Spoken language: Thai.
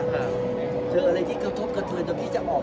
นายที่คลบเปื้อเธอจะออก